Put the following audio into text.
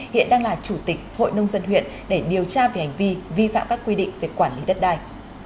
hiện đang là chủ tịch hội nông dân huyện để điều tra về hành vi vi phạm các quy định về quản lý đất đai